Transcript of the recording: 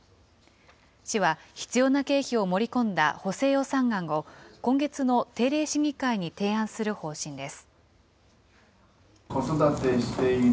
市は必要な経費を盛り込んだ補正予算案を、今月の定例市議会に提案する方針です。